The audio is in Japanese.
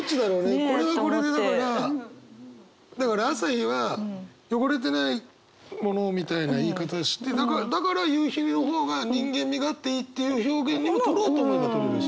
これはこれでだからだから朝日は汚れてないものみたいな言い方してだから夕日の方が人間味があっていいっていう表現にもとろうと思えばとれるし。